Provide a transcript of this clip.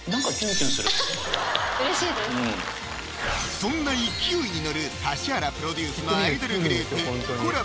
そんな勢いに乗る指原プロデュースのアイドルグループ「イコラブ」